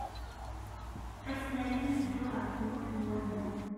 Ass n Arim, ad dduɣ ar tmurt n Walman.